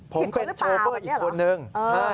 ผมเป็นโชเฟอร์อีกคนนึง